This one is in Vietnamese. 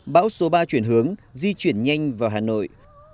bão số ba chuyển hướng di chuyển nhanh vào hà nội